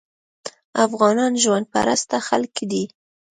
افغانان ژوند پرسته خلک دي.